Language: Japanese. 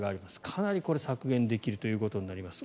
かなり削減できるということになります。